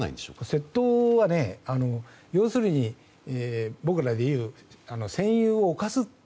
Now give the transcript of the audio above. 窃盗は要するに、僕らで言う占有を犯す。